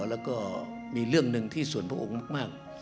แล้วก็มีเรื่องหนึ่งที่ส่วนพระองค์มาก